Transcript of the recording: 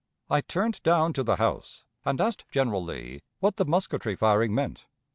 I turned down to the house, and asked General Lee what the musketry firing meant.